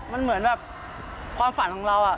มันเหมือนแบบความฝันของเรา